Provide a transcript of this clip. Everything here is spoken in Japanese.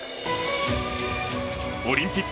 オリンピック